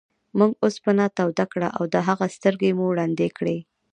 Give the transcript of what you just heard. موږ اوسپنه توده کړه او د هغه سترګې مو ړندې کړې.